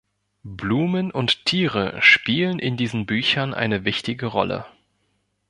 Blumen und Tiere spielen in diesen Büchern eine wichtige Rolle.